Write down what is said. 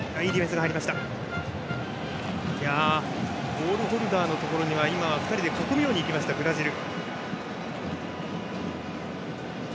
ボールホルダーのところには２人で囲むようにいったブラジル。